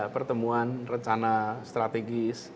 pertemuan rencana strategis